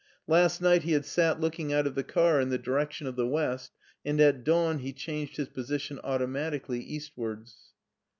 Last night he had sat looking out of the car in the direction of the west and at dawn he changed his position automatically eastwards.